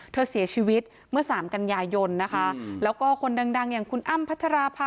เธอเสียชีวิตเมื่อสามกันยายนนะคะแล้วก็คนดังอย่างคุณอ้ำพัชราภา